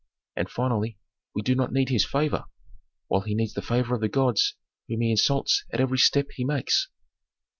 And finally, we do not need his favor, while he needs the favor of the gods, whom he insults at every step he makes."